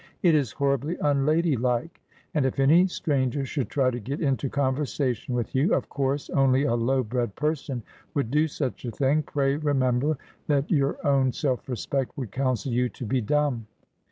It is horribly unladylike. And if any stranger should try to get into conversation with you — of course only a low bred person would do such a thing — pray remember that your own self respect would counsel you to be dumb.'